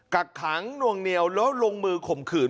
กักขังนวงเหนียวแล้วลงมือข่มขืน